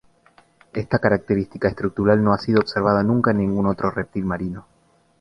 Esta característica estructural no ha sido observada nunca en ningún otro reptil marino.